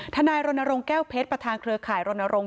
นายรณรงค์แก้วเพชรประธานเครือข่ายรณรงค